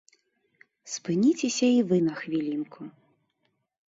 Спыніцеся і вы на хвілінку.